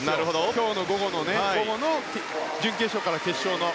今日の午後の準決勝から決勝の。